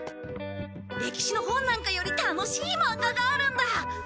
歴史の本なんかより楽しい漫画があるんだ。